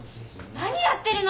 ・何やってるの？